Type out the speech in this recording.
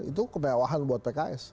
itu kemewahan buat pks